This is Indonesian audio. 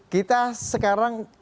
kita selamat datang di jawa barat